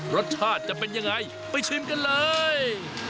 รสชาติจะเป็นยังไงไปชิมกันเลย